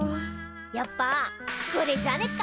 やっぱこれじゃねっか？